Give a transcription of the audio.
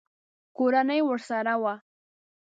کورنۍ ورسره وه.